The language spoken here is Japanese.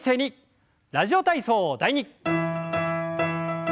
「ラジオ体操第２」。